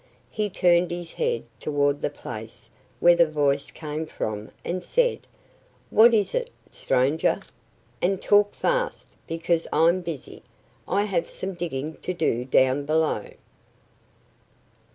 He turned his head toward the place where the voice came from and said, "What is it, stranger? And talk fast, because I'm busy. I have some digging to do down below."